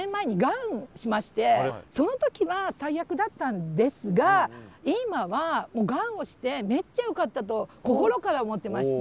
実はその時は最悪だったんですが今はがんをしてめっちゃよかったと心から思ってまして。